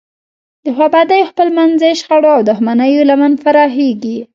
د خوابدیو، خپلمنځي شخړو او دښمنیو لمن پراخیږي.